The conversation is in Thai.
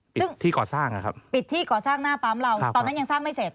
ปิดที่ก่อสร้างนะครับตอนนั้นยังสร้างไม่เสร็จ